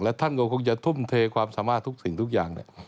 ท่านก็คงจะทุ่มเทความสามารถทุกสิ่งทุกอย่าง